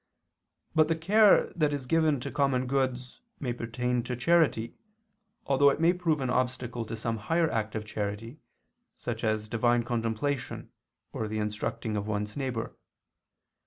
But the care that is given to common goods may pertain to charity, although it may prove an obstacle to some higher act of charity, such as divine contemplation or the instructing of one's neighbor.